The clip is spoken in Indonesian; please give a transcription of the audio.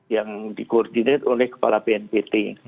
yang di koordinat oleh kepala bnpt